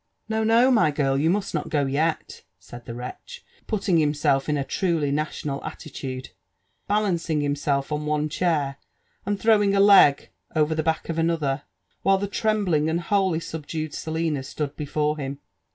'* No, no, my girl, you taust not go yet," said the wretch, putting himself in a truly national attitude, balancing himself on one chair and throwing a leg over the back of another, while 4he trembling and wiiolly Mhdued Selina stood before him.